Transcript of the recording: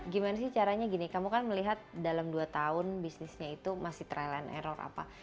gimana sih caranya gini kamu kan melihat dalam dua tahun bisnisnya itu masih trial and error apa